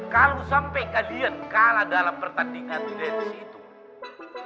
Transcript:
kalau sampai kalian kalah dalam pertandingan di danis itu